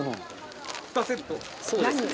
そうですね。